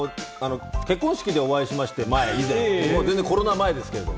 結婚式でお会いしまして、以前、コロナ前ですけど。